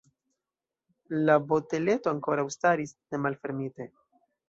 La boteleto ankoraŭ staris nemalfermite.